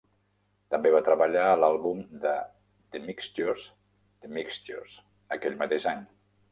També va treballar a l"àlbum de The Mixtures, "The Mixtures", aquell mateix any.